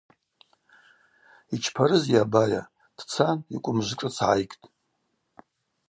Йчпарызйа абайа – дцан йкӏвмыжвшӏыц гӏайгтӏ.